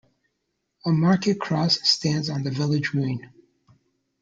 A market cross stands on the village green.